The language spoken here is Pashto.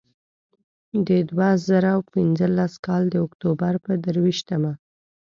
د دوه زره پینځلس کال د اکتوبر پر درویشتمه.